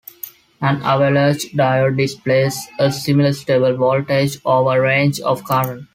An avalanche diode displays a similar stable voltage over a range of current.